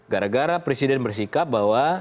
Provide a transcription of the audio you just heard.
gara gara presiden bersikap bahwa